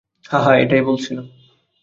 হ্যাঁ হ্যাঁ এটাই বলছিলাম।